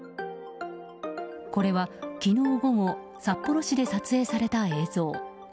これは、昨日午後札幌市で撮影された映像。